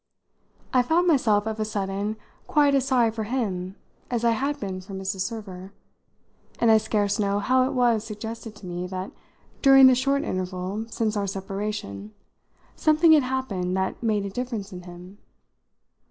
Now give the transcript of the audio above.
I found myself of a sudden quite as sorry for him as I had been for Mrs. Server, and I scarce know how it was suggested to me that during the short interval since our separation something had happened that made a difference in him.